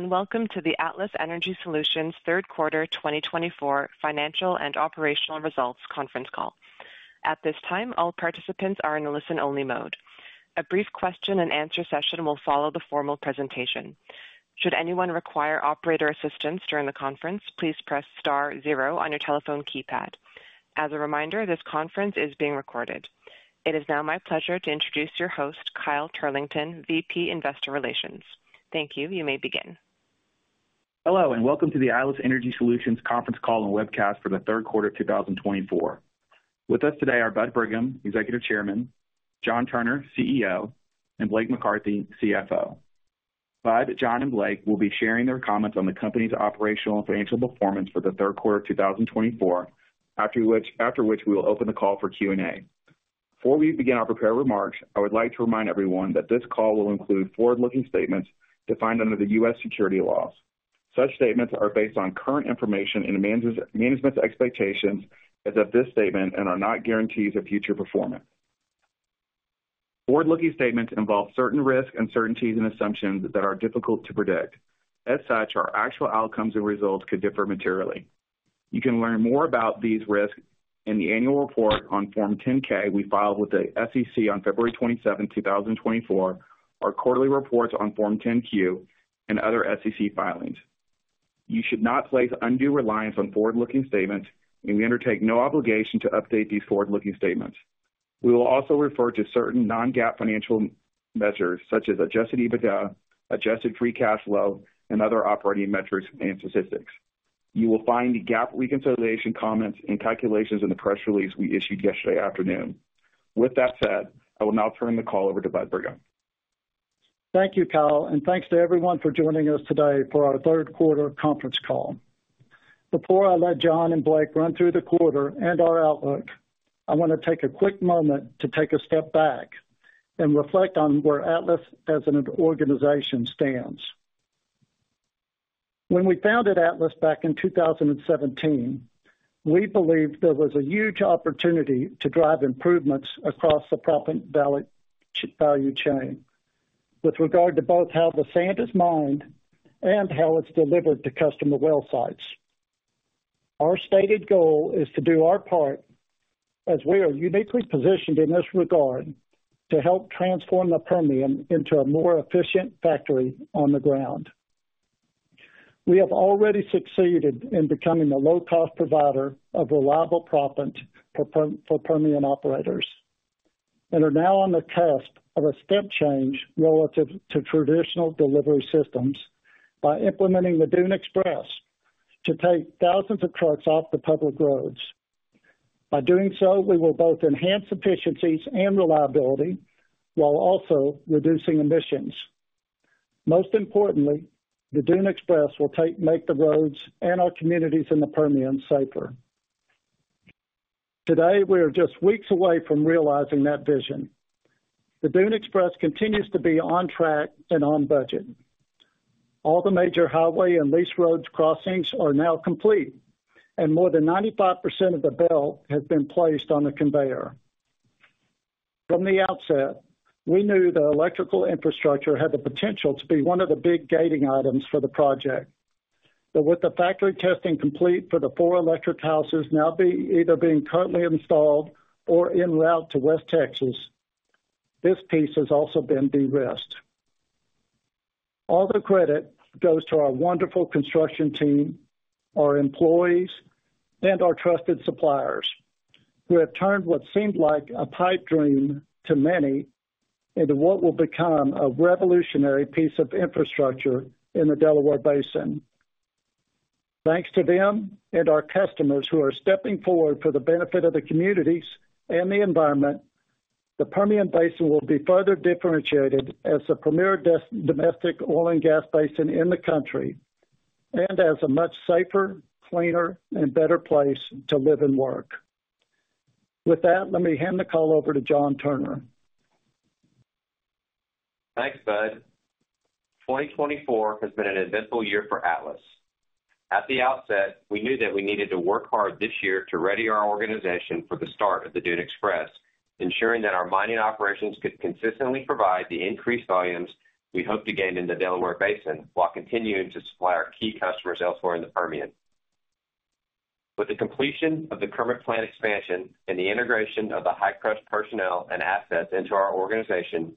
Welcome to the Atlas Energy Solutions Q3 2024 Financial and Operational Results Conference Call. At this time, all participants are in a listen-only mode. A brief question-and-answer session will follow the formal presentation. Should anyone require operator assistance during the conference, please press star zero on your telephone keypad. As a reminder, this conference is being recorded. It is now my pleasure to introduce your host, Kyle Turlington, VP Investor Relations. Thank you. You may begin. Hello, and welcome to the Atlas Energy Solutions Conference Call and webcast for the Q3 2024. With us today are Bud Brigham, Executive Chairman, John Turner, CEO, and Blake McCarthy, CFO. Bud, John, and Blake will be sharing their comments on the company's operational and financial performance for the Third Quarter 2024, after which we will open the call for Q&A. Before we begin our prepared remarks, I would like to remind everyone that this call will include forward-looking statements defined under the U.S. securities laws. Such statements are based on current information and management's expectations as of this statement and are not guarantees of future performance. Forward-looking statements involve certain risks, uncertainties, and assumptions that are difficult to predict. As such, our actual outcomes and results could differ materially. You can learn more about these risks in the annual report on Form 10-K we filed with the SEC on February 27, 2024, our quarterly reports on Form 10-Q, and other SEC filings. You should not place undue reliance on forward-looking statements, and we undertake no obligation to update these forward-looking statements. We will also refer to certain non-GAAP financial measures, such as Adjusted EBITDA, Adjusted Free Cash Flow, and other operating metrics and statistics. You will find the GAAP reconciliation comments and calculations in the press release we issued yesterday afternoon. With that said, I will now turn the call over to Bud Brigham. Thank you, Kyle, and thanks to everyone for joining us today for our Q3 Conference Call. Before I let John and Blake run through the quarter and our outlook, I want to take a quick moment to take a step back and reflect on where Atlas as an organization stands. When we founded Atlas back in 2017, we believed there was a huge opportunity to drive improvements across the Proppant Value Chain with regard to both how the sand is mined and how it's delivered to customer well sites. Our stated goal is to do our part, as we are uniquely positioned in this regard, to help transform the Permian into a more efficient factory on the ground. We have already succeeded in becoming a low-cost provider of reliable proppant for Permian operators and are now on the cusp of a step change relative to traditional delivery systems by implementing the Dune Express to take thousands of trucks off the public roads. By doing so, we will both enhance efficiencies and reliability while also reducing emissions. Most importantly, the Dune Express will make the roads and our communities in the Permian safer. Today, we are just weeks away from realizing that vision. The Dune Express continues to be on track and on budget. All the major highway and lease roads crossings are now complete, and more than 95% of the belt has been placed on the conveyor. From the outset, we knew the electrical infrastructure had the potential to be one of the big gating items for the project. But with the factory testing complete for the four electric houses now either being currently installed or en route to West Texas, this piece has also been de-risked. All the credit goes to our wonderful construction team, our employees, and our trusted suppliers who have turned what seemed like a pipe dream to many into what will become a revolutionary piece of infrastructure in the Delaware Basin. Thanks to them and our customers who are stepping forward for the benefit of the communities and the environment, the Permian Basin will be further differentiated as the premier domestic oil and gas basin in the country and as a much safer, cleaner, and better place to live and work. With that, let me hand the call over to John Turner. Thanks Bud. 2024 has been an eventful year for Atlas. At the outset, we knew that we needed to work hard this year to ready our organization for the start of the Dune Express, ensuring that our mining operations could consistently provide the increased volumes we hope to gain in the Delaware Basin while continuing to supply our key customers elsewhere in the Permian. With the completion of the Kermit plant expansion and the integration of the Hi-Crush personnel and assets into our organization,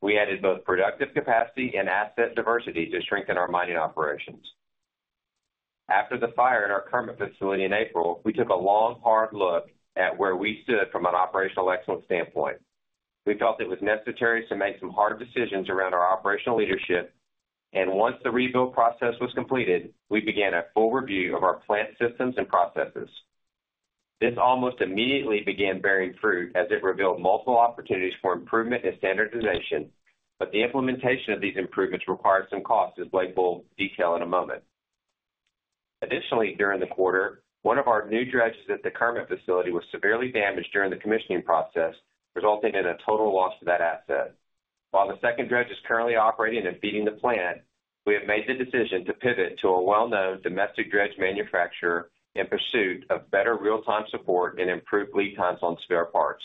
we added both productive capacity and asset diversity to strengthen our mining operations. After the fire at our current facility in April, we took a long, hard look at where we stood from an operational excellence standpoint. We felt it was necessary to make some hard decisions around our operational leadership, and once the rebuild process was completed, we began a full review of our plant systems and processes. This almost immediately began bearing fruit as it revealed multiple opportunities for improvement and standardization, but the implementation of these improvements required some costs, as Blake will detail in a moment. Additionally, during the quarter, one of our new dredges at the Kermit facility was severely damaged during the commissioning process, resulting in a total loss to that asset. While the second dredge is currently operating and feeding the plant, we have made the decision to pivot to a well-known domestic dredge manufacturer in pursuit of better real-time support and improved lead times on spare parts.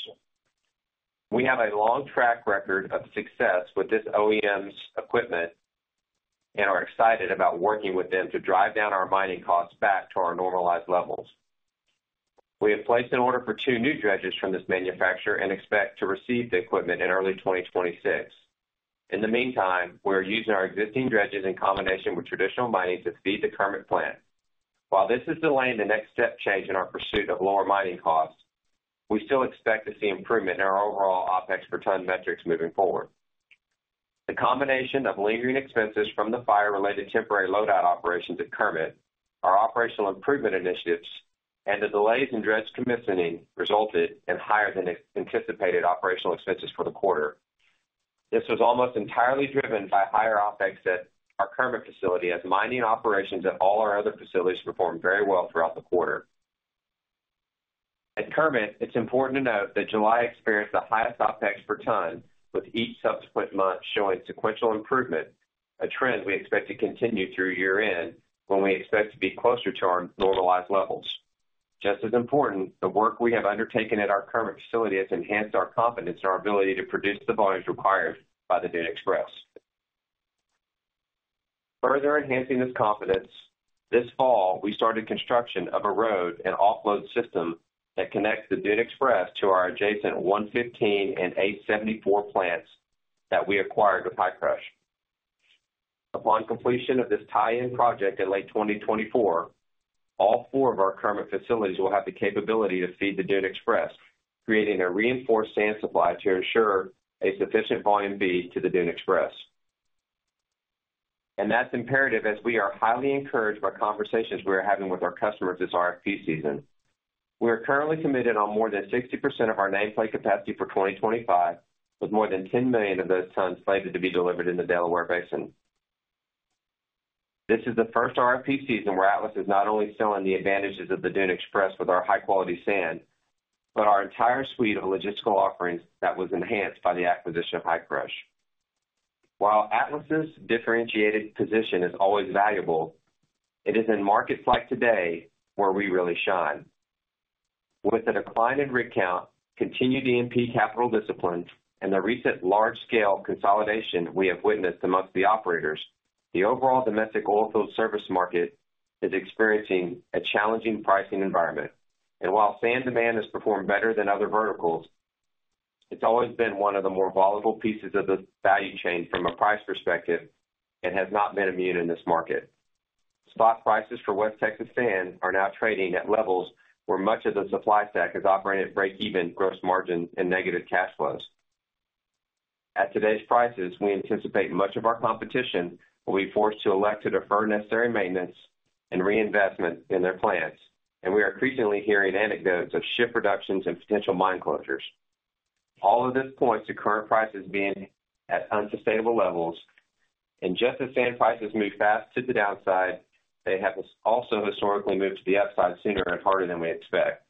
We have a long track record of success with this OEM's equipment and are excited about working with them to drive down our mining costs back to our normalized levels. We have placed an order for two new dredges from this manufacturer and expect to receive the equipment in early 2026. In the meantime, we are using our existing dredges in combination with traditional mining to feed the Kermit plant. While this is delaying the next step change in our pursuit of lower mining costs, we still expect to see improvement in our overall OPEX per ton metrics moving forward. The combination of lingering expenses from the fire-related temporary loadout operations at Kermit, our operational improvement initiatives, and the delays in dredge commissioning resulted in higher than anticipated operational expenses for the quarter. This was almost entirely driven by higher OPEX at our Kermit facility, as mining operations at all our other facilities performed very well throughout the quarter. At Kermit, it's important to note that July experienced the highest OPEX per ton, with each subsequent month showing sequential improvement, a trend we expect to continue through year-end when we expect to be closer to our normalized levels. Just as important, the work we have undertaken at our Kermit facility has enhanced our confidence in our ability to produce the volumes required by the Dune Express. Further enhancing this confidence, this fall, we started construction of a road and offload system that connects the Dune Express to our adjacent 115 and 874 plants that we acquired with Hi-Crush. Upon completion of this tie-in project in late 2024, all four of our Kermit facilities will have the capability to feed the Dune Express, creating a reinforced sand supply to ensure a sufficient volume feed to the Dune Express, and that's imperative as we are highly encouraged by conversations we are having with our customers this RFP season. We are currently committed on more than 60% of our nameplate capacity for 2025, with more than 10 million of those tons slated to be delivered in the Delaware Basin. This is the first RFP season where Atlas is not only selling the advantages of the Dune Express with our high-quality sand, but our entire suite of logistical offerings that was enhanced by the acquisition of Hi-Crush. While Atlas's differentiated position is always valuable, it is in markets like today where we really shine. With the decline in rig count, continued E&P capital discipline, and the recent large-scale consolidation we have witnessed among the operators, the overall domestic oilfield service market is experiencing a challenging pricing environment, and while sand demand has performed better than other verticals, it's always been one of the more volatile pieces of the value chain from a price perspective and has not been immune in this market. Spot prices for West Texas sand are now trading at levels where much of the supply stack is operating at break-even, gross margin, and negative cash flows. At today's prices, we anticipate much of our competition will be forced to elect to defer necessary maintenance and reinvestment in their plants, and we are increasingly hearing anecdotes of shift reductions and potential mine closures. All of this points to current prices being at unsustainable levels, and just as sand prices move fast to the downside, they have also historically moved to the upside sooner and harder than we expect.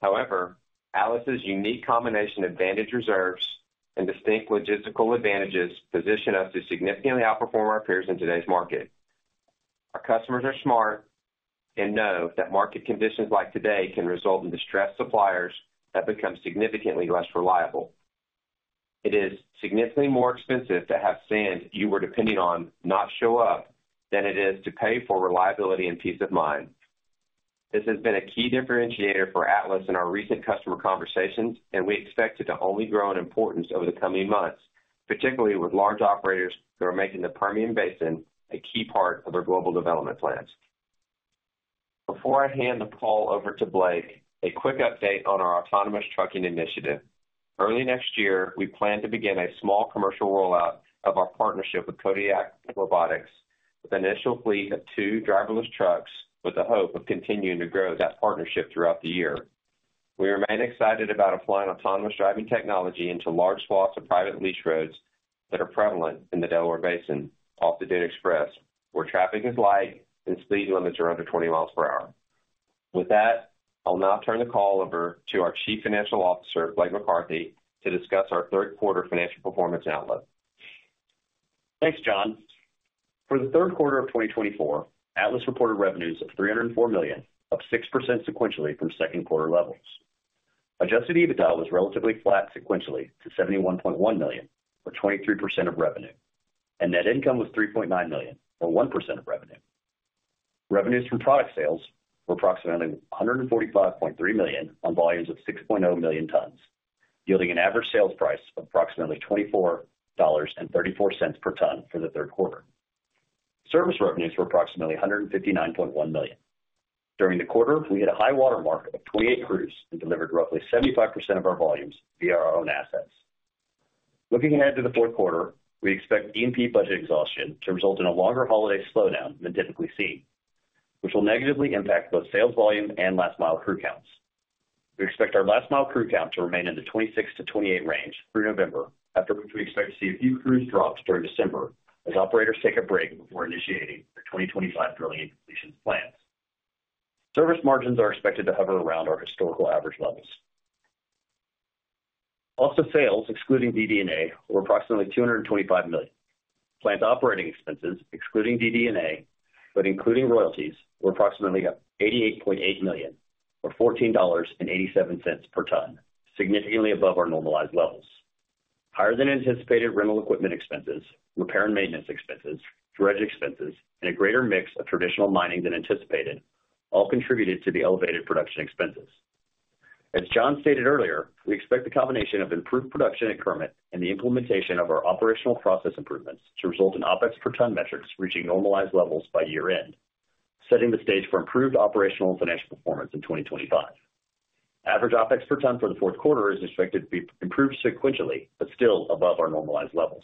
However, Atlas's unique combination of advantageous reserves and distinct logistical advantages positions us to significantly outperform our peers in today's market. Our customers are smart and know that market conditions like today can result in distressed suppliers that become significantly less reliable. It is significantly more expensive to have sand you were depending on not show up than it is to pay for reliability and peace of mind. This has been a key differentiator for Atlas in our recent customer conversations, and we expect it to only grow in importance over the coming months, particularly with large operators who are making the Permian Basin a key part of their global development plans. Before I hand the call over to Blake, a quick update on our autonomous trucking initiative. Early next year, we plan to begin a small commercial rollout of our partnership with Kodiak Robotics with an initial fleet of two driverless trucks with the hope of continuing to grow that partnership throughout the year. We remain excited about applying autonomous driving technology into large swaths of private lease roads that are prevalent in the Delaware Basin off the Dune Express, where traffic is light and speed limits are under 20 miles per hour. With that, I'll now turn the call over to our Chief Financial Officer, Blake McCarthy, to discuss our third quarter financial performance outlook. Thanks, John. For the third quarter of 2024, Atlas reported revenues of $304 million, up 6% sequentially from second quarter levels. Adjusted EBITDA was relatively flat sequentially to $71.1 million, or 23% of revenue, and net income was $3.9 million, or 1% of revenue. Revenues from product sales were approximately $145.3 million on volumes of 6.0 million tons, yielding an average sales price of approximately $24.34 per ton for the third quarter. Service revenues were approximately $159.1 million. During the quarter, we hit a high watermark of 28 crews and delivered roughly 75% of our volumes via our own assets. Looking ahead to the fourth quarter, we expect E&P budget exhaustion to result in a longer holiday slowdown than typically seen, which will negatively impact both sales volume and last-mile crew counts. We expect our last-mile crew count to remain in the 26-28 range through November, after which we expect to see a few crews dropped during December as operators take a break before initiating their 2025 drilling and completion plans. Service margins are expected to hover around our historical average levels. Also, sales, excluding DD&A, were approximately $225 million. Plant operating expenses, excluding DD&A but including royalties, were approximately $88.8 million, or $14.87 per ton, significantly above our normalized levels. Higher than anticipated rental equipment expenses, repair and maintenance expenses, dredge expenses, and a greater mix of traditional mining than anticipated all contributed to the elevated production expenses. As John stated earlier, we expect the combination of improved production at Kermit and the implementation of our operational process improvements to result in OPEX per ton metrics reaching normalized levels by year-end, setting the stage for improved operational financial performance in 2025. Average OPEX per ton for the fourth quarter is expected to be improved sequentially, but still above our normalized levels.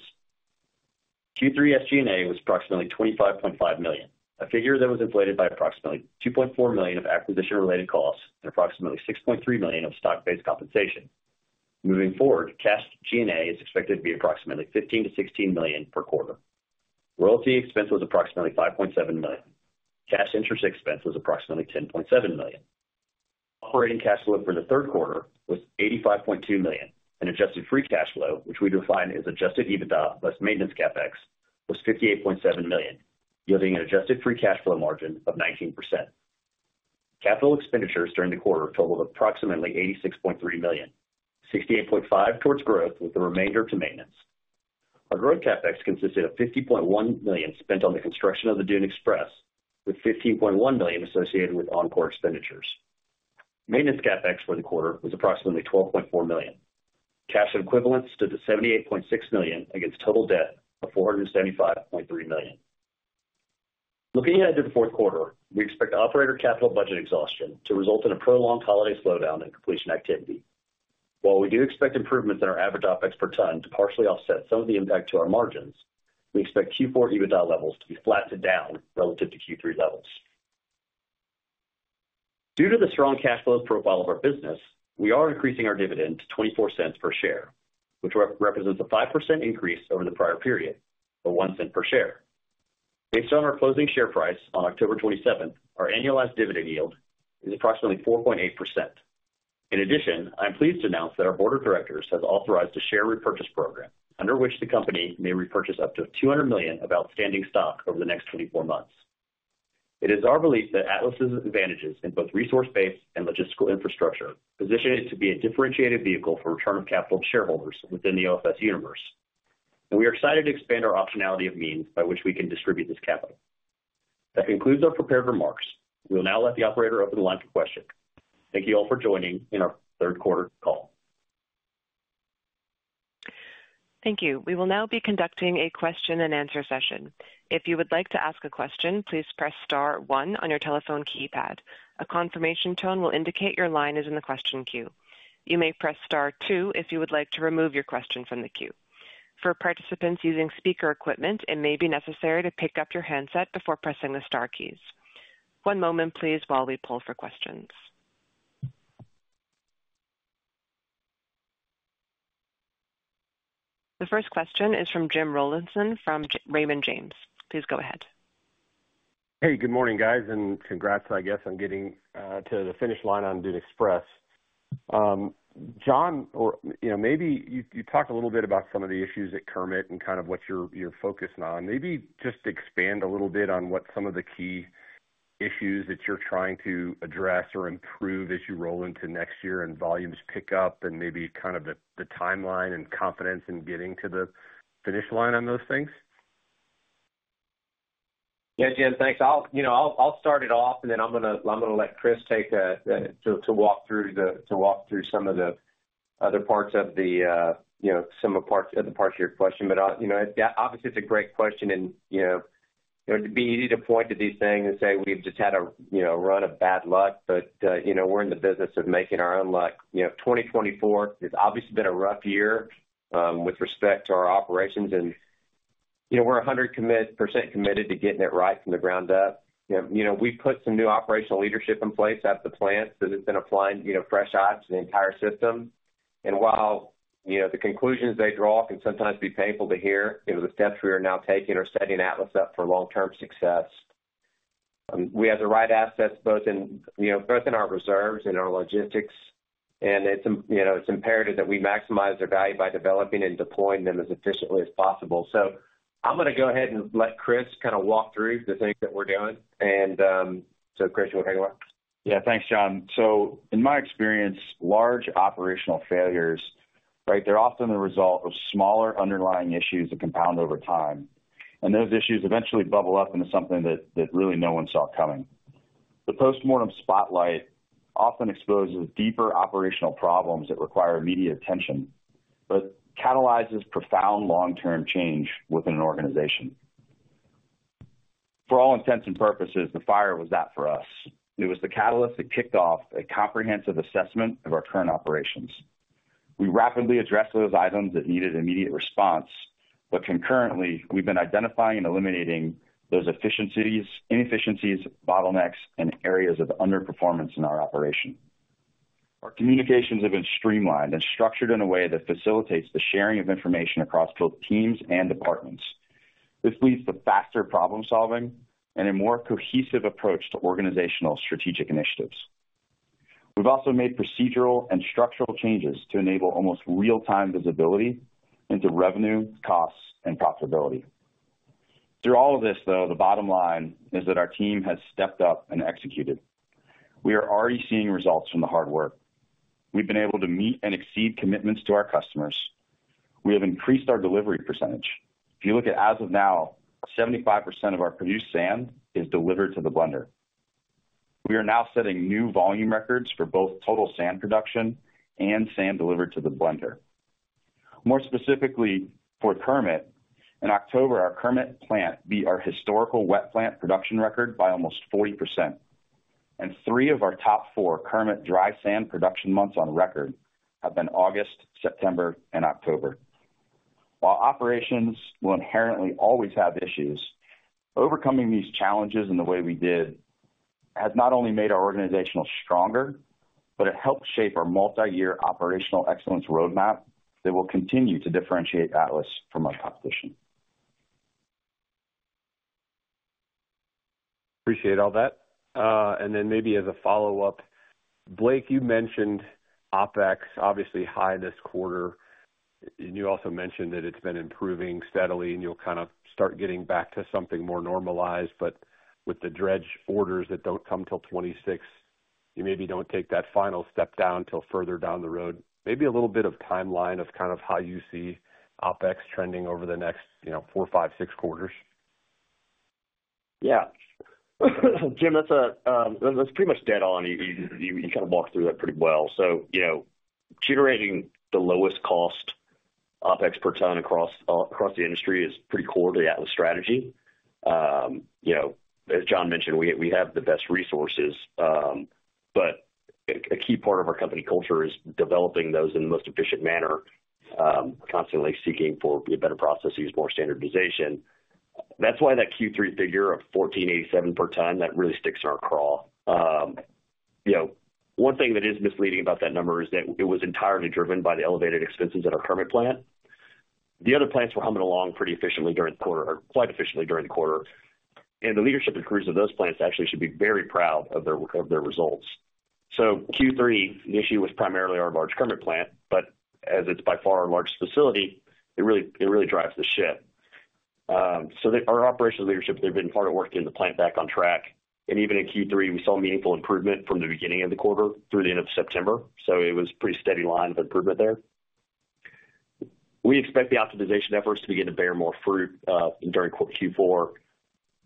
Q3 SG&A was approximately $25.5 million, a figure that was inflated by approximately $2.4 million of acquisition-related costs and approximately $6.3 million of stock-based compensation. Moving forward, cash G&A is expected to be approximately $15-$16 million per quarter. Royalty expense was approximately $5.7 million. Cash interest expense was approximately $10.7 million. Operating cash flow for the third quarter was $85.2 million, and Adjusted Free Cash Flow, which we define as Adjusted EBITDA plus maintenance CapEx, was $58.7 million, yielding an Adjusted Free Cash Flow margin of 19%. Capital expenditures during the quarter totaled approximately $86.3 million, $68.5 million towards growth, with the remainder to maintenance. Our growth CapEx consisted of $50.1 million spent on the construction of the Dune Express, with $15.1 million associated with Encore expenditures. Maintenance CapEx for the quarter was approximately $12.4 million. Cash equivalents stood at $78.6 million against total debt of $475.3 million. Looking ahead to the fourth quarter, we expect operator capital budget exhaustion to result in a prolonged holiday slowdown in completion activity. While we do expect improvements in our average OpEx per ton to partially offset some of the impact to our margins, we expect Q4 EBITDA levels to be flat to down relative to Q3 levels. Due to the strong cash flow profile of our business, we are increasing our dividend to $0.24 per share, which represents a 5% increase over the prior period, but $0.01 per share. Based on our closing share price on October 27, our annualized dividend yield is approximately 4.8%. In addition, I'm pleased to announce that our Board of Directors has authorized a share repurchase program under which the company may repurchase up to $200 million of outstanding stock over the next 24 months. It is our belief that Atlas's advantages in both resource-based and logistical infrastructure position it to be a differentiated vehicle for return of capital to shareholders within the OFS universe, and we are excited to expand our optionality of means by which we can distribute this capital. That concludes our prepared remarks. We will now let the operator open the line for questions. Thank you all for joining in our Third Quarter call. Thank you. We will now be conducting a question-and-answer session. If you would like to ask a question, please press Star one on your telephone keypad. A confirmation tone will indicate your line is in the question queue. You may press Star two if you would like to remove your question from the queue. For participants using speaker equipment, it may be necessary to pick up your handset before pressing the Star keys. One moment, please, while we pull for questions. The first question is from Jim Rollyson from Raymond James. Please go ahead. Hey, good morning, guys, and congrats, I guess, on getting to the finish line on Dune Express. John, or maybe you talked a little bit about some of the issues at Kermit and kind of what you're focused on. Maybe just expand a little bit on what some of the key issues that you're trying to address or improve as you roll into next year and volumes pick up and maybe kind of the timeline and confidence in getting to the finish line on those things. Yes, Jim, thanks. I'll start it off, and then I'm going to let Chris take a walk through some of the other parts of your question. But obviously, it's a great question, and it would be easy to point to these things and say, "We've just had a run of bad luck," but we're in the business of making our own luck. 2024 has obviously been a rough year with respect to our operations, and we're 100% committed to getting it right from the ground up. We've put some new operational leadership in place at the plants that have been applying fresh eyes to the entire system. And while the conclusions they draw can sometimes be painful to hear, the steps we are now taking are setting Atlas up for long-term success. We have the right assets both in our reserves and our logistics, and it's imperative that we maximize their value by developing and deploying them as efficiently as possible. So I'm going to go ahead and let Chris kind of walk through the things that we're doing. And so, Chris, you want to take it away? Yeah, thanks, John. So in my experience, large operational failures, right, they're often the result of smaller underlying issues that compound over time, and those issues eventually bubble up into something that really no one saw coming. The postmortem spotlight often exposes deeper operational problems that require immediate attention but catalyzes profound long-term change within an organization. For all intents and purposes, the fire was that for us. It was the catalyst that kicked off a comprehensive assessment of our current operations. We rapidly addressed those items that needed immediate response, but concurrently, we've been identifying and eliminating those efficiencies, inefficiencies, bottlenecks, and areas of underperformance in our operation. Our communications have been streamlined and structured in a way that facilitates the sharing of information across both teams and departments. This leads to faster problem-solving and a more cohesive approach to organizational strategic initiatives. We've also made procedural and structural changes to enable almost real-time visibility into revenue, costs, and profitability. Through all of this, though, the bottom line is that our team has stepped up and executed. We are already seeing results from the hard work. We've been able to meet and exceed commitments to our customers. We have increased our delivery percentage. If you look at as of now, 75% of our produced sand is delivered to the blender. We are now setting new volume records for both total sand production and sand delivered to the blender. More specifically, for Kermit, in October, our Kermit plant beat our historical wet plant production record by almost 40%, and three of our top four Kermit dry sand production months on record have been August, September, and October. While operations will inherently always have issues, overcoming these challenges in the way we did has not only made our organization stronger, but it helped shape our multi-year operational excellence roadmap that will continue to differentiate Atlas from our competition. Appreciate all that. And then maybe as a follow-up, Blake, you mentioned OPEX, obviously high this quarter, and you also mentioned that it's been improving steadily, and you'll kind of start getting back to something more normalized. But with the dredge orders that don't come till 2026, you maybe don't take that final step down till further down the road. Maybe a little bit of timeline of kind of how you see OPEX trending over the next four, five, six quarters? Yeah. Jim, that's pretty much dead on. You kind of walked through that pretty well. So iterating the lowest cost OPEX per ton across the industry is pretty core to the Atlas strategy. As John mentioned, we have the best resources, but a key part of our company culture is developing those in the most efficient manner, constantly seeking for better processes, more standardization. That's why that Q3 figure of $14.87 per ton, that really sticks in our crawl. One thing that is misleading about that number is that it was entirely driven by the elevated expenses at our Kermit plant. The other plants were humming along pretty efficiently during the quarter, or quite efficiently during the quarter, and the leadership and crews of those plants actually should be very proud of their results. So Q3, the issue was primarily our large Kermit plant, but as it's by far our largest facility, it really drives the ship. So our operational leadership, they've been hard at work getting the plant back on track. And even in Q3, we saw meaningful improvement from the beginning of the quarter through the end of September. So it was a pretty steady line of improvement there. We expect the optimization efforts to begin to bear more fruit during Q4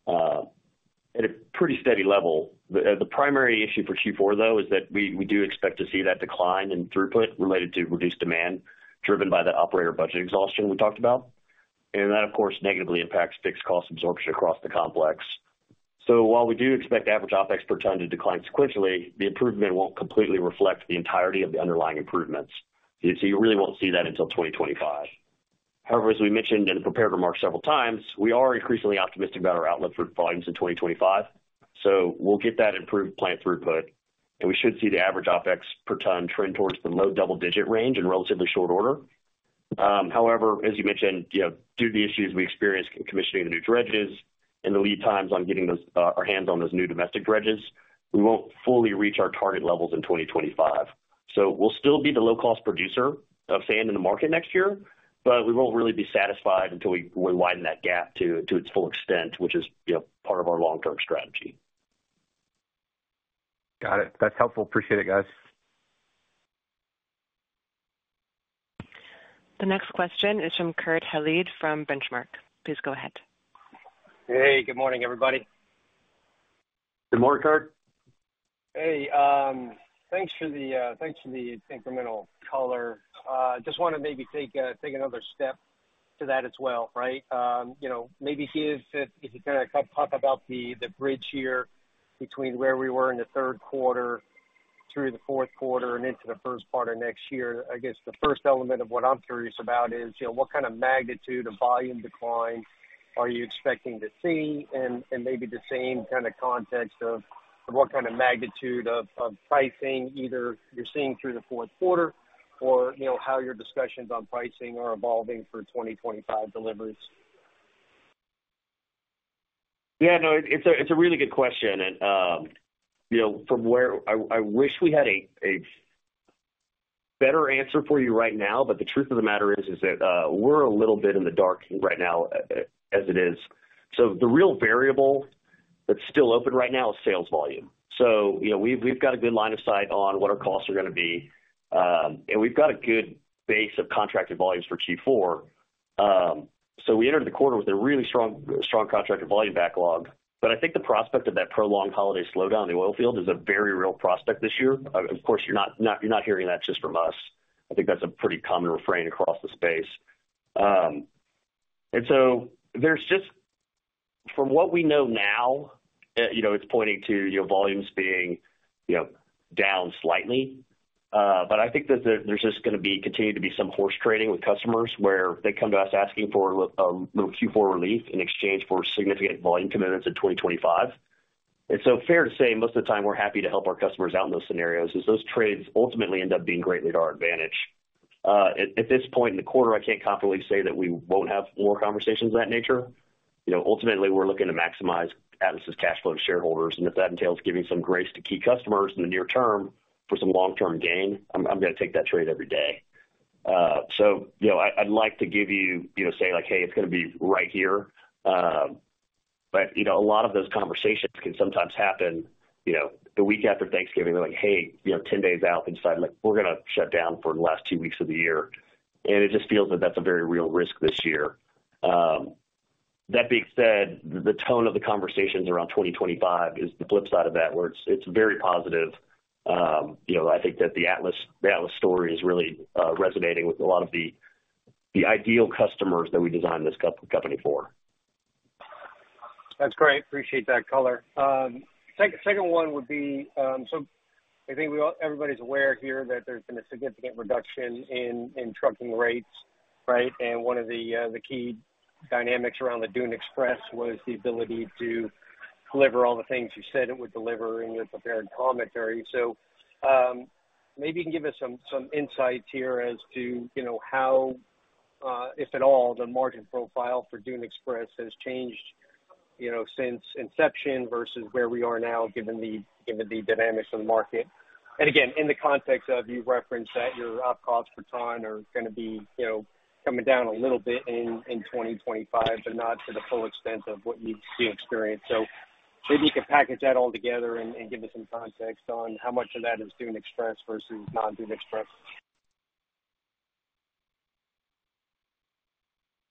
at a pretty steady level. The primary issue for Q4, though, is that we do expect to see that decline in throughput related to reduced demand driven by the operator budget exhaustion we talked about. And that, of course, negatively impacts fixed cost absorption across the complex. So while we do expect average OPEX per ton to decline sequentially, the improvement won't completely reflect the entirety of the underlying improvements. So you really won't see that until 2025. However, as we mentioned and prepared remarks several times, we are increasingly optimistic about our outlook for volumes in 2025. So we'll get that improved plant throughput, and we should see the average OPEX per ton trend towards the low double-digit range in relatively short order. However, as you mentioned, due to the issues we experienced in commissioning the new dredges and the lead times on getting our hands on those new domestic dredges, we won't fully reach our target levels in 2025. So we'll still be the low-cost producer of sand in the market next year, but we won't really be satisfied until we widen that gap to its full extent, which is part of our long-term strategy. Got it. That's helpful. Appreciate it, guys. The next question is from Kurt Hallead from Benchmark. Please go ahead. Hey, good morning, everybody. Good morning, Kurt. Hey, thanks for the incremental color. Just want to maybe take another step to that as well, right? Maybe if you kind of talk about the bridge here between where we were in the third quarter through the fourth quarter and into the first quarter next year, I guess the first element of what I'm curious about is what kind of magnitude of volume decline are you expecting to see? And maybe the same kind of context of what kind of magnitude of pricing either you're seeing through the fourth quarter or how your discussions on pricing are evolving for 2025 deliveries. Yeah, no, it's a really good question. From where I wish we had a better answer for you right now, but the truth of the matter is that we're a little bit in the dark right now as it is, so the real variable that's still open right now is sales volume. So we've got a good line of sight on what our costs are going to be, and we've got a good base of contracted volumes for Q4. We entered the quarter with a really strong contracted volume backlog, but I think the prospect of that prolonged holiday slowdown in the oil field is a very real prospect this year. Of course, you're not hearing that just from us. I think that's a pretty common refrain across the space, and so there's just, from what we know now, it's pointing to volumes being down slightly. But I think that there's just going to continue to be some horse trading with customers where they come to us asking for a little Q4 relief in exchange for significant volume commitments in 2025. And so, fair to say, most of the time we're happy to help our customers out in those scenarios as those trades ultimately end up being greatly to our advantage. At this point in the quarter, I can't confidently say that we won't have more conversations of that nature. Ultimately, we're looking to maximize Atlas's cash flow to shareholders, and if that entails giving some grace to key customers in the near term for some long-term gain, I'm going to take that trade every day. So I'd like to give you, say, like, "Hey, it's going to be right here." But a lot of those conversations can sometimes happen the week after Thanksgiving. They're like, "Hey, 10 days out," and decide, "Look, we're going to shut down for the last two weeks of the year," and it just feels that that's a very real risk this year. That being said, the tone of the conversations around 2025 is the flip side of that, where it's very positive. I think that the Atlas story is really resonating with a lot of the ideal customers that we designed this company for. That's great. Appreciate that color. Second one would be, so I think everybody's aware here that there's been a significant reduction in trucking rates, right? And one of the key dynamics around the Dune Express was the ability to deliver all the things you said it would deliver in your prepared commentary. So maybe you can give us some insights here as to how, if at all, the margin profile for Dune Express has changed since inception versus where we are now given the dynamics of the market. And again, in the context of you referenced that your unit cost per ton are going to be coming down a little bit in 2025, but not to the full extent of what you experienced. So maybe you could package that all together and give us some context on how much of that is Dune Express versus non-Dune Express.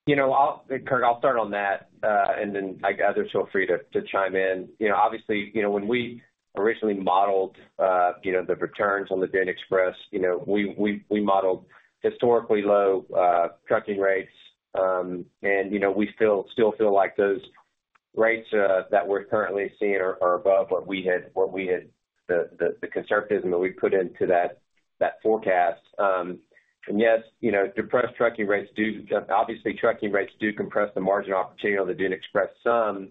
I'll start on that, and then others feel free to chime in. Obviously, when we originally modeled the returns on the Dune Express, we modeled historically low trucking rates, and we still feel like those rates that we're currently seeing are above what we had, the conservatism that we put into that forecast, and yes, depressed trucking rates do, obviously, trucking rates do compress the margin opportunity on the Dune Express some,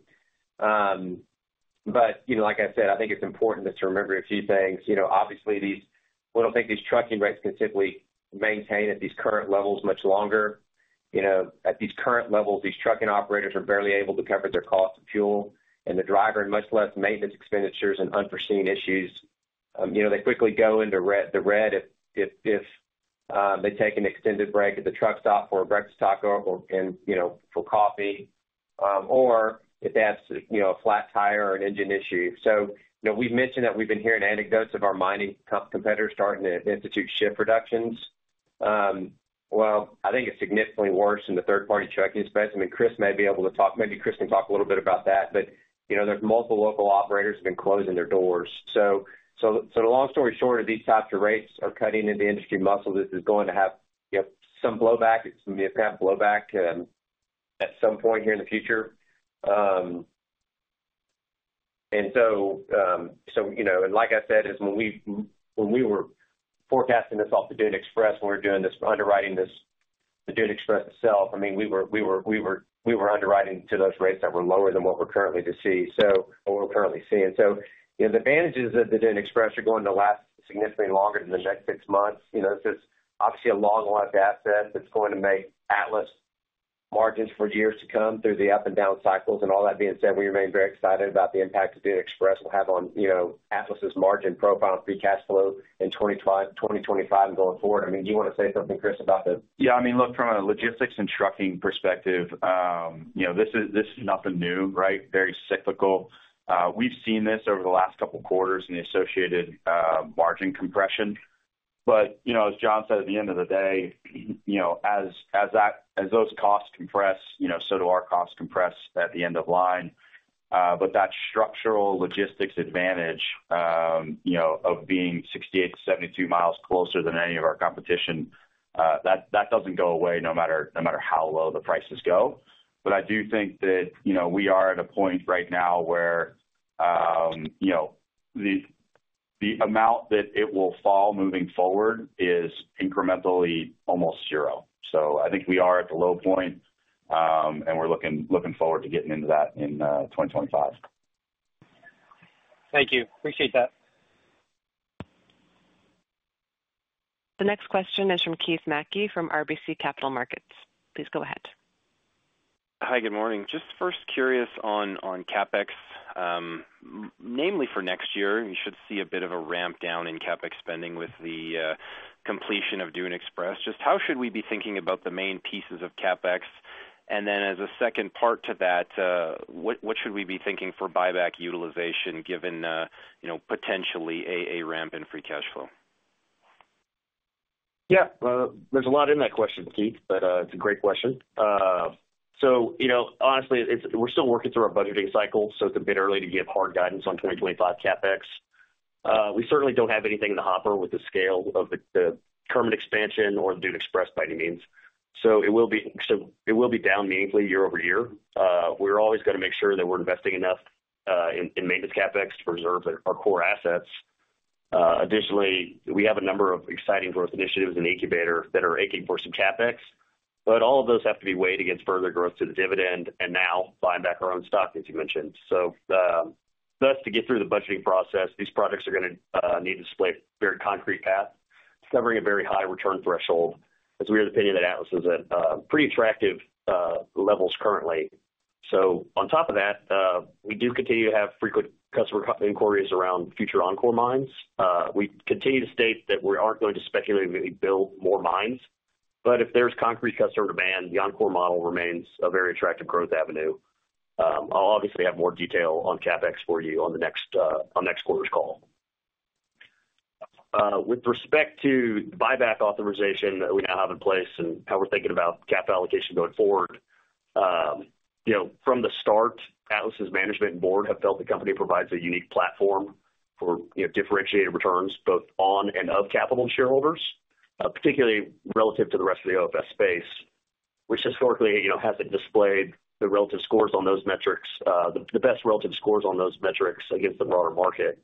but like I said, I think it's important to remember a few things. Obviously, we don't think these trucking rates can simply maintain at these current levels much longer. At these current levels, these trucking operators are barely able to cover their cost of fuel and the driver and much less maintenance expenditures and unforeseen issues. They quickly go into the red if they take an extended break at the truck stop for a breakfast taco and for coffee, or if they have a flat tire or an engine issue. So we've mentioned that we've been hearing anecdotes of our mining competitors starting to institute shift reductions. Well, I think it's significantly worse in the third-party trucking space. I mean, Chris may be able to talk, maybe Chris can talk a little bit about that, but there's multiple local operators who have been closing their doors. So the long story short, if these types of rates are cutting into industry muscle, this is going to have some blowback. It's going to have blowback at some point here in the future. And so, and like I said, when we were forecasting this off the Dune Express, when we were doing this underwriting this, the Dune Express itself, I mean, we were underwriting to those rates that were lower than what we're currently to see, so what we're currently seeing. So the advantages of the Dune Express are going to last significantly longer than the next six months. This is obviously a long-lived asset that's going to make Atlas margins for years to come through the up and down cycles. And all that being said, we remain very excited about the impact the Dune Express will have on Atlas's margin profile and free cash flow in 2025 and going forward. I mean, do you want to say something, Chris, about the? Yeah. I mean, look, from a logistics and trucking perspective, this is nothing new, right? Very cyclical. We've seen this over the last couple of quarters in the associated margin compression. But as John said, at the end of the day, as those costs compress, so do our costs compress at the end of line. But that structural logistics advantage of being 68-72 miles closer than any of our competition, that doesn't go away no matter how low the prices go. But I do think that we are at a point right now where the amount that it will fall moving forward is incrementally almost zero. So I think we are at the low point, and we're looking forward to getting into that in 2025. Thank you. Appreciate that. The next question is from Keith Mackey from RBC Capital Markets. Please go ahead. Hi, good morning. Just first curious on CapEx, namely for next year, you should see a bit of a ramp down in CapEx spending with the completion of Dune Express. Just how should we be thinking about the main pieces of CapEx? And then as a second part to that, what should we be thinking for buyback utilization given potentially a ramp in free cash flow? Yeah. There's a lot in that question, Keith, but it's a great question. So honestly, we're still working through our budgeting cycle, so it's a bit early to give hard guidance on 2025 CapEx. We certainly don't have anything in the hopper with the scale of the Kermit expansion or the Dune Express by any means. So it will be down meaningfully year over year. We're always going to make sure that we're investing enough in maintenance CapEx to preserve our core assets. Additionally, we have a number of exciting growth initiatives in incubators that are aching for some CapEx, but all of those have to be weighed against further growth to the dividend and now buying back our own stock, as you mentioned. So thus, to get through the budgeting process, these projects are going to need to display a very concrete path, covering a very high return threshold. As we are defending that Atlas is at pretty attractive levels currently. So on top of that, we do continue to have frequent customer inquiries around future Oncore mines. We continue to state that we aren't going to speculatively build more mines, but if there's concrete customer demand, the Encore model remains a very attractive growth avenue. I'll obviously have more detail on CapEx for you on next quarter's call. With respect to buyback authorization that we now have in place and how we're thinking about CapEx allocation going forward, from the start, Atlas's management board have felt the company provides a unique platform for differentiated returns both on and of capital shareholders, particularly relative to the rest of the OFS space, which historically hasn't displayed the relative scores on those metrics, the best relative scores on those metrics against the broader market.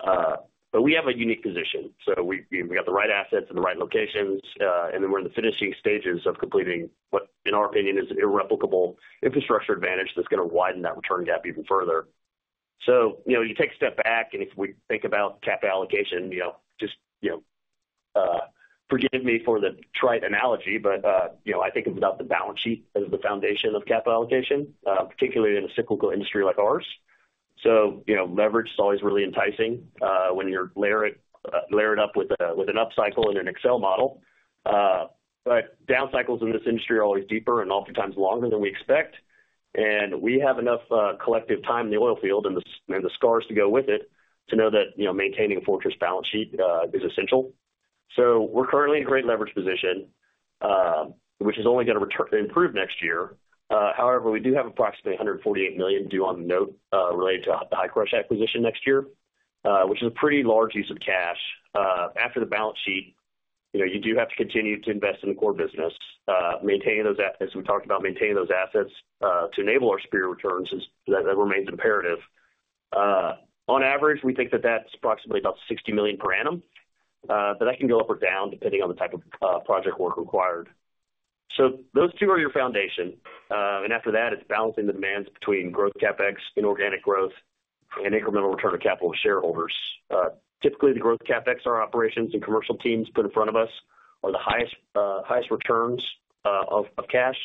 But we have a unique position. So we've got the right assets in the right locations, and then we're in the finishing stages of completing what, in our opinion, is an irreplaceable infrastructure advantage that's going to widen that return gap even further. So you take a step back, and if we think about CapEx allocation, just forgive me for the trite analogy, but I think about the balance sheet as the foundation of CapEx allocation, particularly in a cyclical industry like ours. So leverage is always really enticing when you layer it up with an upcycle and an Excel model. But down cycles in this industry are always deeper and oftentimes longer than we expect. And we have enough collective time in the oilfield and the scars to go with it to know that maintaining a fortress balance sheet is essential. So we're currently in a great leverage position, which is only going to improve next year. However, we do have approximately $148 million due on the note related to the Hi-Crush acquisition next year, which is a pretty large use of cash. After the balance sheet, you do have to continue to invest in the core business. As we talked about, maintaining those assets to enable our superior returns remains imperative. On average, we think that that's approximately about $60 million per annum, but that can go up or down depending on the type of project work required. So those two are your foundation. And after that, it's balancing the demands between growth CapEx, inorganic growth, and incremental return of capital shareholders. Typically, the growth CapEx our operations and commercial teams put in front of us are the highest returns of cash,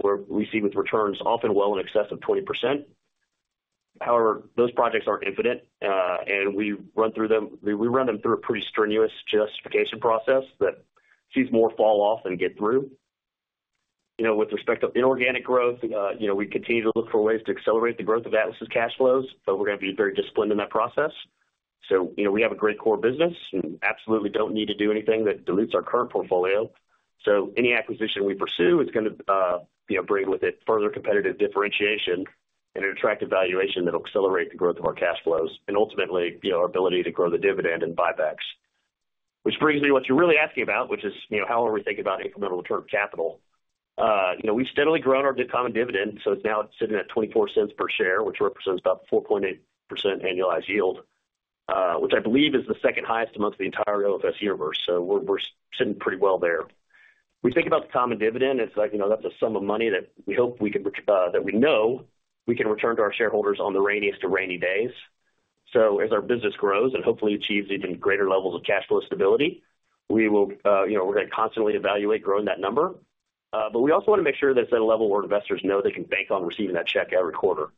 where we see with returns often well in excess of 20%. However, those projects aren't infinite, and we run through them. We run them through a pretty strenuous justification process that sees more fall off than get through. With respect to inorganic growth, we continue to look for ways to accelerate the growth of Atlas's cash flows, but we're going to be very disciplined in that process. So we have a great core business and absolutely don't need to do anything that dilutes our current portfolio. So any acquisition we pursue is going to bring with it further competitive differentiation and an attractive valuation that will accelerate the growth of our cash flows and ultimately our ability to grow the dividend and buybacks. Which brings me to what you're really asking about, which is how are we thinking about incremental return of capital? We've steadily grown our common dividend, so it's now sitting at $0.24 per share, which represents about 4.8% annualized yield, which I believe is the second highest amongst the entire OFS universe. So we're sitting pretty well there. We think about the common dividend as that's a sum of money that we hope we can know we can return to our shareholders on the rainiest of rainy days. So as our business grows and hopefully achieves even greater levels of cash flow stability, we're going to constantly evaluate growing that number. But we also want to make sure that it's at a level where investors know they can bank on receiving that check every quarter.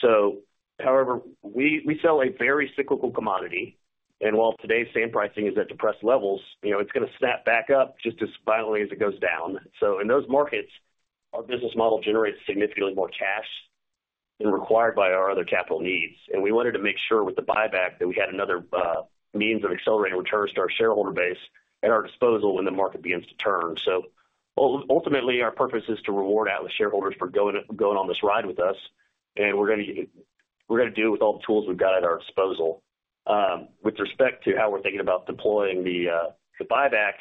So, however, we sell a very cyclical commodity, and while today's sand pricing is at depressed levels, it's going to snap back up just as violently as it goes down. In those markets, our business model generates significantly more cash than required by our other capital needs. We wanted to make sure with the buyback that we had another means of accelerating returns to our shareholder base at our disposal when the market begins to turn. Ultimately, our purpose is to reward Atlas shareholders for going on this ride with us, and we're going to do it with all the tools we've got at our disposal. With respect to how we're thinking about deploying the buyback,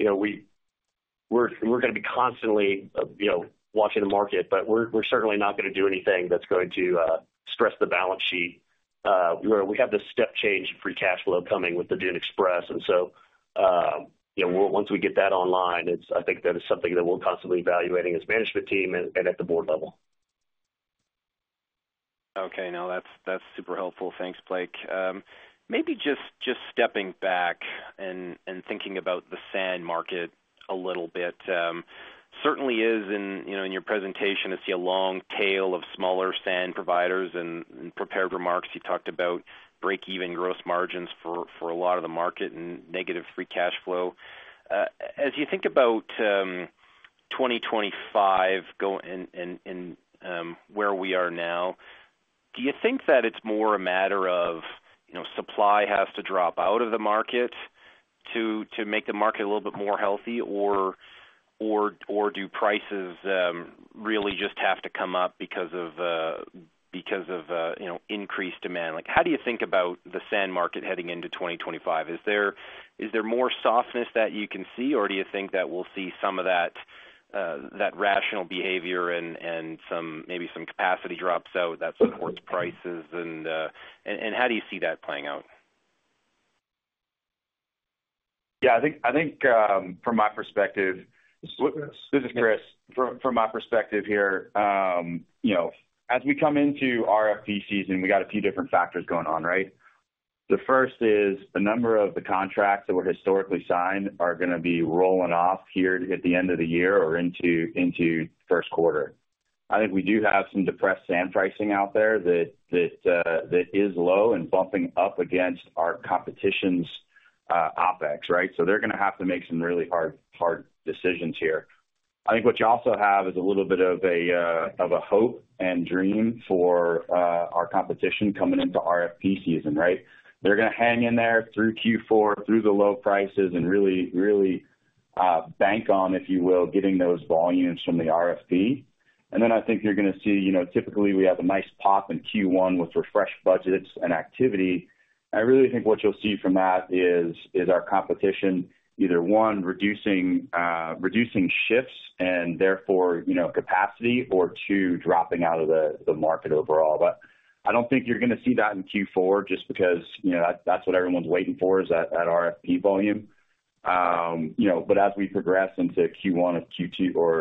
we're going to be constantly watching the market, but we're certainly not going to do anything that's going to stress the balance sheet. We have this step change in free cash flow coming with the Dune Express, and so once we get that online, I think that is something that we're constantly evaluating as a management team and at the board level. Okay. No, that's super helpful. Thanks, Blake. Maybe just stepping back and thinking about the sand market a little bit, certainly in your presentation to see a long tail of smaller sand providers and prepared remarks. You talked about break-even gross margins for a lot of the market and negative free cash flow. As you think about 2025 and where we are now, do you think that it's more a matter of supply has to drop out of the market to make the market a little bit more healthy, or do prices really just have to come up because of increased demand? How do you think about the sand market heading into 2025? Is there more softness that you can see, or do you think that we'll see some of that rational behavior and maybe some capacity drops out that supports prices? How do you see that playing out? Yeah. I think from my perspective, this is Chris. From my perspective here, as we come into RFP season, we got a few different factors going on, right? The first is a number of the contracts that were historically signed are going to be rolling off here at the end of the year or into first quarter. I think we do have some depressed sand pricing out there that is low and bumping up against our competition's OPEX, right? So they're going to have to make some really hard decisions here. I think what you also have is a little bit of a hope and dream for our competition coming into RFP season, right? They're going to hang in there through Q4, through the low prices, and really bank on, if you will, getting those volumes from the RFP. And then I think you're going to see typically we have a nice pop in Q1 with refreshed budgets and activity. I really think what you'll see from that is our competition either, one, reducing shifts and therefore capacity, or two, dropping out of the market overall. But I don't think you're going to see that in Q4 just because that's what everyone's waiting for is that RFP volume. But as we progress into Q1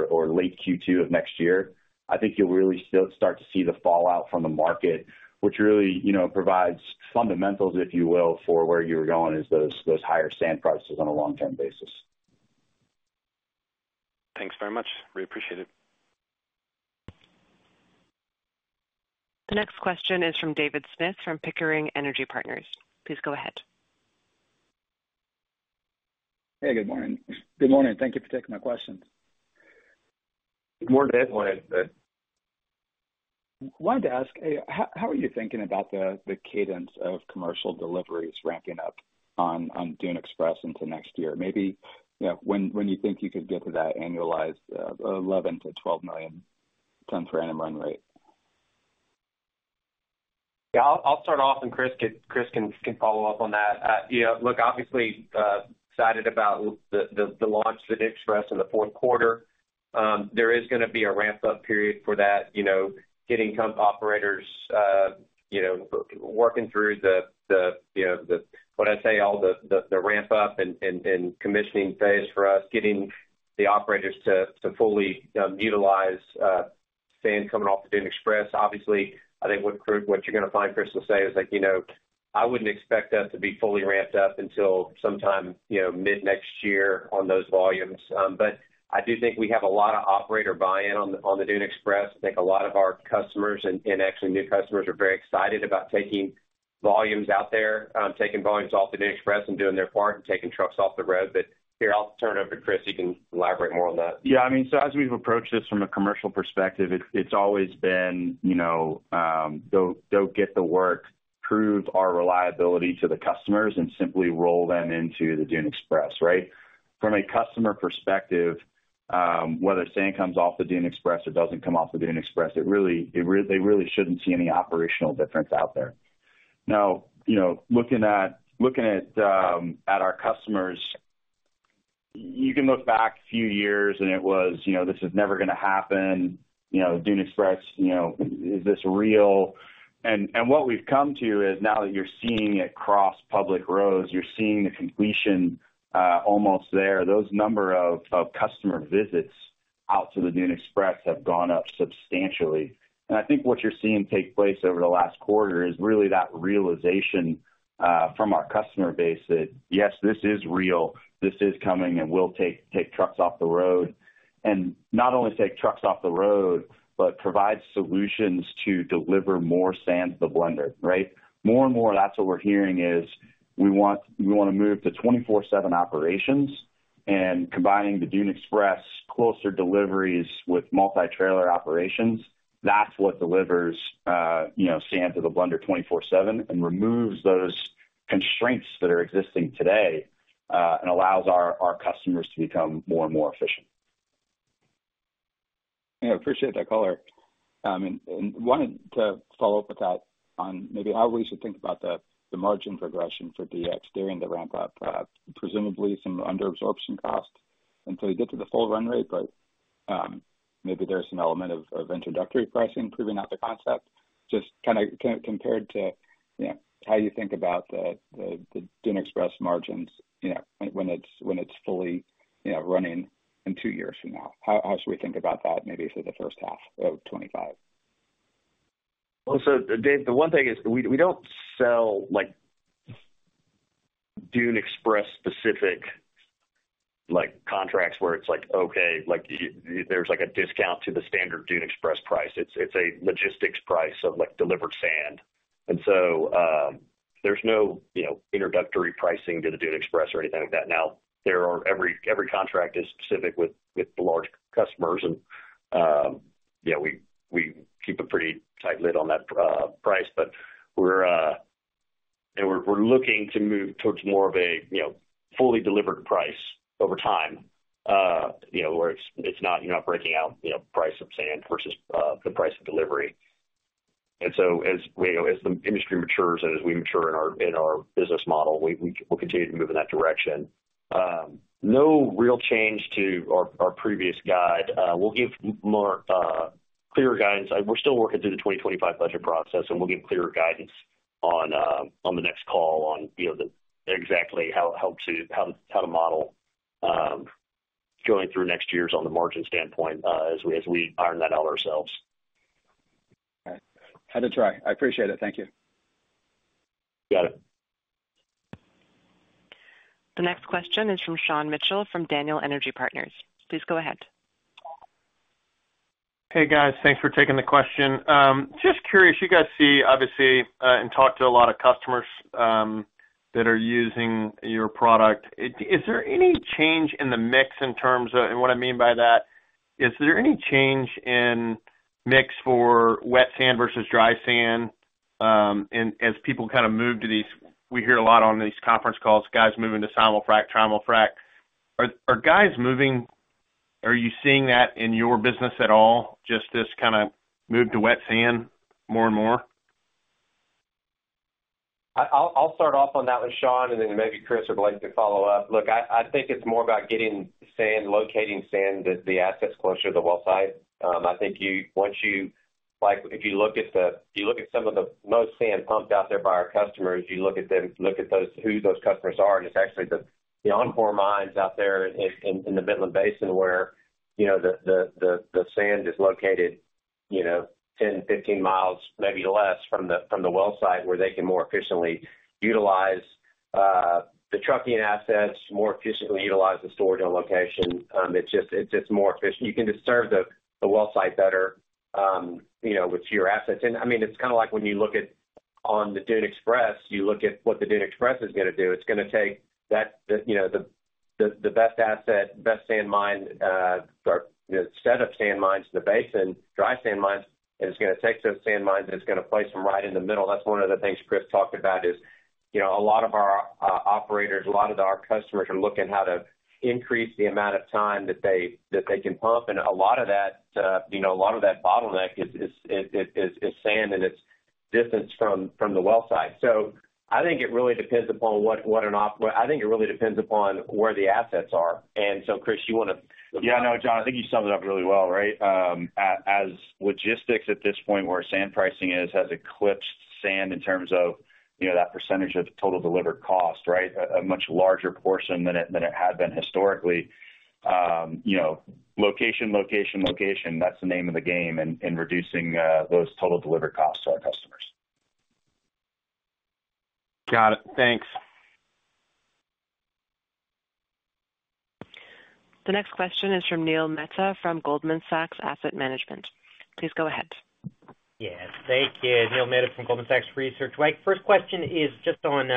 or late Q2 of next year, I think you'll really start to see the fallout from the market, which really provides fundamentals, if you will, for where you were going is those higher sand prices on a long-term basis. Thanks very much. Really appreciate it. The next question is from David Smith from Pickering Energy Partners. Please go ahead. Hey, good morning. Good morning. Thank you for taking my questions. Good morning, everyone. Wanted to ask, how are you thinking about the cadence of commercial deliveries ramping up on Dune Express into next year? Maybe when you think you could get to that annualized 11 to 12 million tons for annual run rate? Yeah. I'll start off, and Chris can follow up on that. Look, obviously excited about the launch of the Dune Express in the fourth quarter. There is going to be a ramp-up period for that, getting company operators working through the, what I'd say, all the ramp-up and commissioning phase for us, getting the operators to fully utilize sand coming off the Dune Express. Obviously, I think what you're going to find, Chris, to say is like, I wouldn't expect that to be fully ramped up until sometime mid-next year on those volumes. But I do think we have a lot of operator buy-in on the Dune Express. I think a lot of our customers and actually new customers are very excited about taking volumes out there, taking volumes off the Dune Express and doing their part and taking trucks off the road. But here, I'll turn it over to Chris. He can elaborate more on that. Yeah. I mean, so as we've approached this from a commercial perspective, it's always been go get the work, prove our reliability to the customers, and simply roll them into the Dune Express, right? From a customer perspective, whether sand comes off the Dune Express or doesn't come off the Dune Express, they really shouldn't see any operational difference out there. Now, looking at our customers, you can look back a few years and it was, this is never going to happen. Dune Express, is this real? And what we've come to is now that you're seeing it cross public roads, you're seeing the completion almost there. Those number of customer visits out to the Dune Express have gone up substantially. I think what you're seeing take place over the last quarter is really that realization from our customer base that, yes, this is real, this is coming, and we'll take trucks off the road. Not only take trucks off the road, but provide solutions to deliver more sand to the blender, right? More and more, that's what we're hearing is we want to move to 24/7 operations and combining the Dune Express closer deliveries with multi-trailer operations. That's what delivers sand to the blender 24/7 and removes those constraints that are existing today and allows our customers to become more and more efficient. Yeah. Appreciate that, Kyle wanted to follow up with that on maybe how we should think about the margin progression for DX during the ramp-up, presumably some under-absorption cost until you get to the full run rate, but maybe there's an element of introductory pricing proving out the concept. Just kind of compared to how you think about the Dune Express margins when it's fully running in two years from now. How should we think about that maybe for the first half of 2025? So Dave, the one thing is we don't sell Dune Express-specific contracts where it's like, okay, there's a discount to the standard Dune Express price. It's a logistics price of delivered sand. And so there's no introductory pricing to the Dune Express or anything like that. Now, every contract is specific with large customers, and we keep a pretty tight lid on that price. But we're looking to move towards more of a fully delivered price over time where it's not breaking out price of sand versus the price of delivery. And so as the industry matures and as we mature in our business model, we'll continue to move in that direction. No real change to our previous guide. We'll give more clearer guidance. We're still working through the 2025 budget process, and we'll give clearer guidance on the next call on exactly how to model going through next year's on the margin standpoint as we iron that out ourselves. All right. Had to try. I appreciate it. Thank you. Got it. The next question is from Sean Mitchell from Daniel Energy Partners. Please go ahead. Hey, guys. Thanks for taking the question. Just curious, you guys see, obviously, and talk to a lot of customers that are using your product. Is there any change in the mix in terms of and what I mean by that is there any change in mix for wet sand versus dry sand? And as people kind of move to these, we hear a lot on these conference calls, guys moving to simulfrac, trimulfrac. Are guys moving? Are you seeing that in your business at all, just this kind of move to wet sand more and more? I'll start off on that with Sean and then maybe Chris or Blake could follow up. Look, I think it's more about getting sand, locating sand that the assets closer to the well site. I think once you look at some of the most sand pumped out there by our customers, you look at them, look at who those customers are, and it's actually the Encore mines out there in the Midland Basin where the sand is located 10-15 miles, maybe less from the well site where they can more efficiently utilize the trucking assets, more efficiently utilize the storage on location. It's just more efficient. You can just serve the well site better with fewer assets. I mean, it's kind of like when you look at on the Dune Express, you look at what the Dune Express is going to do. It's going to take the best asset, best sand mine, set of sand mines in the basin, dry sand mines, and it's going to take those sand mines and it's going to place them right in the middle. That's one of the things Chris talked about is a lot of our operators, a lot of our customers are looking at how to increase the amount of time that they can pump. And a lot of that, a lot of that bottleneck is sand and its distance from the well site. So I think it really depends upon what, and I think it really depends upon where the assets are. And so, Chris, you want to. Yeah. No, John, I think you summed it up really well, right? As logistics at this point where sand pricing has eclipsed sand in terms of that percentage of total delivered cost, right? A much larger portion than it had been historically. Location, location, location, that's the name of the game in reducing those total delivered costs to our customers. Got it. Thanks. The next question is from Neil Mehta from Goldman Sachs Asset Management. Please go ahead. Yeah. Thank you. Neil Mehta from Goldman Sachs Research. Blake, first question is just on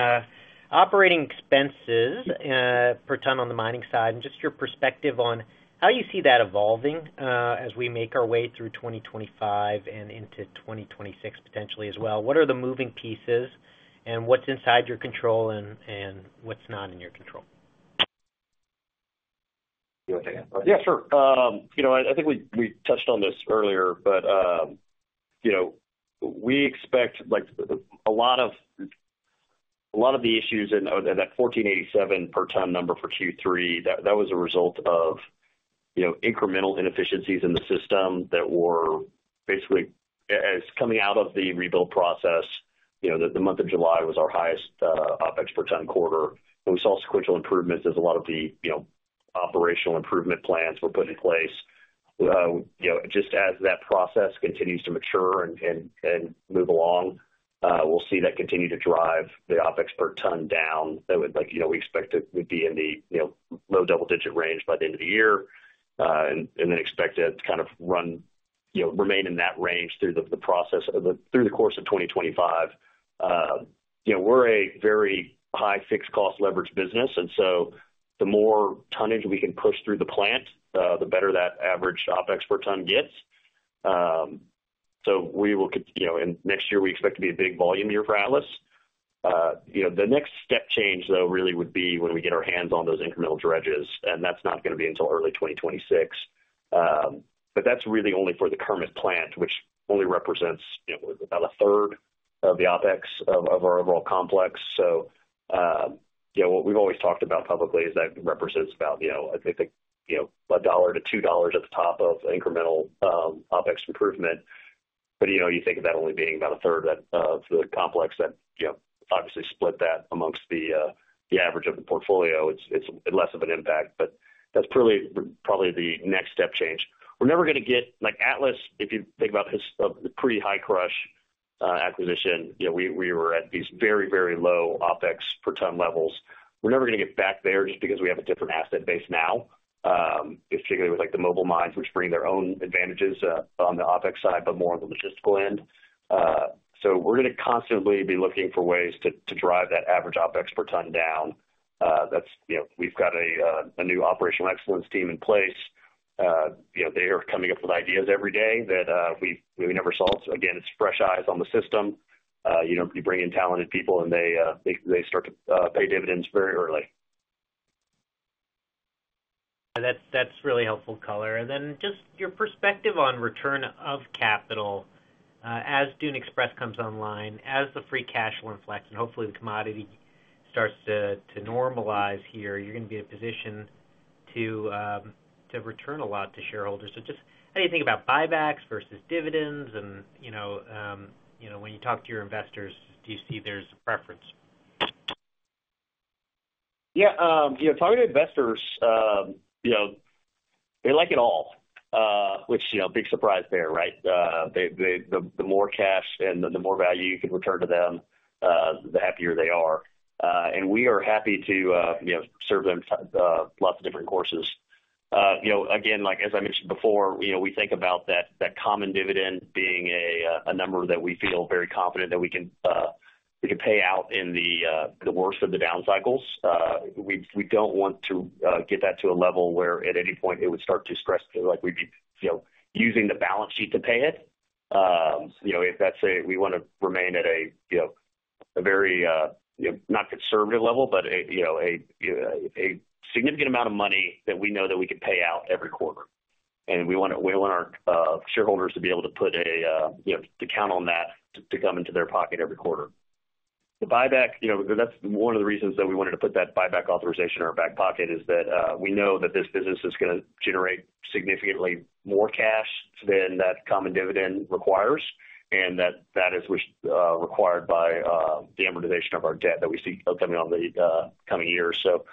operating expenses per ton on the mining side and just your perspective on how you see that evolving as we make our way through 2025 and into 2026 potentially as well. What are the moving pieces and what's inside your control and what's not in your control? Give me one second. Yeah, sure. I think we touched on this earlier, but we expect a lot of the issues in that $14.87 per ton number for Q3, that was a result of incremental inefficiencies in the system that were basically as coming out of the rebuild process, the month of July was our highest OPEX per ton quarter. And we saw sequential improvements as a lot of the operational improvement plans were put in place. Just as that process continues to mature and move along, we'll see that continue to drive the OPEX per ton down. We expect it would be in the low double-digit range by the end of the year and then expect to kind of remain in that range through the process through the course of 2025. We're a very high fixed cost leverage business. And so the more tonnage we can push through the plant, the better that average OPEX per ton gets. So we will next year, we expect to be a big volume year for Atlas. The next step change, though, really would be when we get our hands on those incremental dredges. And that's not going to be until early 2026. But that's really only for the Kermit plant, which only represents about a third of the OPEX of our overall complex. So what we've always talked about publicly is that represents about, I think, $1 to 2 at the top of incremental OPEX improvement. But you think of that only being about a third of the complex that obviously split that amongst the average of the portfolio. It's less of an impact, but that's probably the next step change. We're never going to get like Atlas, if you think about the pre-Hi-Crush acquisition, we were at these very, very low OPEX per ton levels. We're never going to get back there just because we have a different asset base now, particularly with the mobile mines, which bring their own advantages on the OPEX side, but more on the logistical end. So we're going to constantly be looking for ways to drive that average OPEX per ton down. We've got a new operational excellence team in place. They are coming up with ideas every day that we never solved. Again, it's fresh eyes on the system. You bring in talented people and they start to pay dividends very early. That's really helpful, Color. And then just your perspective on return of capital as Dune Express comes online, as the free cash will inflect, and hopefully the commodity starts to normalize here, you're going to be in a position to return a lot to shareholders. So just how do you think about buybacks versus dividends? And when you talk to your investors, do you see there's a preference? Yeah. Talking to investors, they like it all, which is a big surprise there, right? The more cash and the more value you can return to them, the happier they are. And we are happy to serve them lots of different courses. Again, as I mentioned before, we think about that common dividend being a number that we feel very confident that we can pay out in the worst of the down cycles. We don't want to get that to a level where at any point it would start to stress like we'd be using the balance sheet to pay it. If that's it, we want to remain at a very not conservative level, but a significant amount of money that we know that we can pay out every quarter. And we want our shareholders to be able to put a count on that to come into their pocket every quarter. The buyback, that's one of the reasons that we wanted to put that buyback authorization in our back pocket, is that we know that this business is going to generate significantly more cash than that common dividend requires and that that is required by the amortization of our debt that we see coming on the coming years. So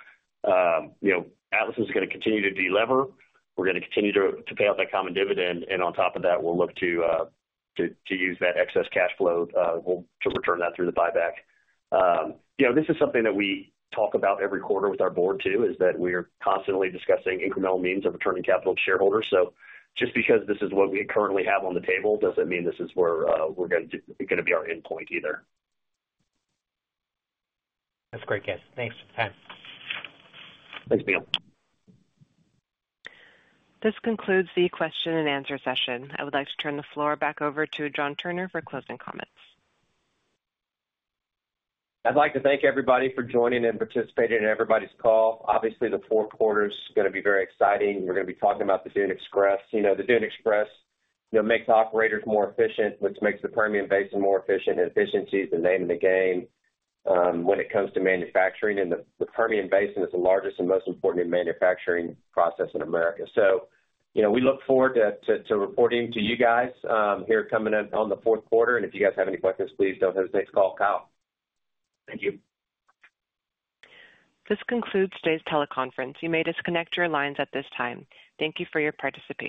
Atlas is going to continue to deliver. We're going to continue to pay out that common dividend. And on top of that, we'll look to use that excess cash flow to return that through the buyback. This is something that we talk about every quarter with our board too, is that we are constantly discussing incremental means of returning capital to shareholders. So just because this is what we currently have on the table doesn't mean this is where we're going to be our endpoint either. That's great, guys. Thanks for your time. Thanks, Neil. This concludes the question and answer session. I would like to turn the floor back over to John Turner for closing comments. I'd like to thank everybody for joining and participating in everybody's call. Obviously, the fourth quarter is going to be very exciting. We're going to be talking about the Dune Express. The Dune Express makes operators more efficient, which makes the Permian Basin more efficient. Efficiency is the name of the game when it comes to manufacturing. The Permian Basin is the largest and most important manufacturing process in America. We look forward to reporting to you guys here coming up on the fourth quarter. If you guys have any questions, please don't hesitate to call Kyle. Thank you. This concludes today's teleconference. You may disconnect your lines at this time. Thank you for your participation.